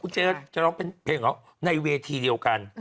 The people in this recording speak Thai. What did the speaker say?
จะร้องตัวเพลงของเขาในเวทีเดียวกัน